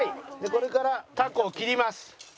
これからタコを切ります。